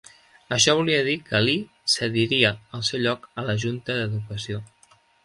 Això volia dir que Lee cediria el seu lloc a la junta d'educació.